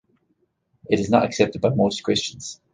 It is not accepted by most Christians.